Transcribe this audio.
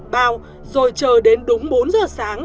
bao rồi chờ đến đúng bốn giờ sáng